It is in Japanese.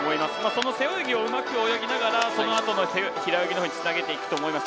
その背泳ぎをうまく泳ぎながらそのあとの平泳ぎにつないでいくと思います。